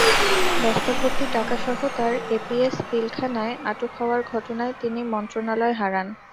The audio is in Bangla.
বস্তাভর্তি টাকাসহ তাঁর এপিএস পিলখানায় আটক হওয়ার ঘটনায় তিনি মন্ত্রণালয় হারান।